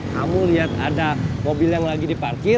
kamu lihat ada mobil yang lagi diparkir